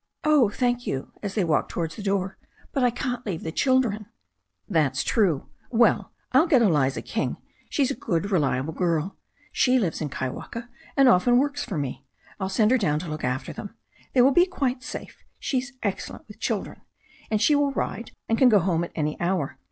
"Oh, thank you," as they walked towards the door, "but I can't leave the children." "That's true. Well, I'll get Eliza King. She's a good, reliable girl. She lives at Kaiwaka, and often works for me. I'll send her down to look after them. They will be quite safe. She's excellent with children. And she will ride, and can go home at any hour.